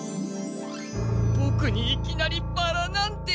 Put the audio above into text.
ボクにいきなりバラなんて。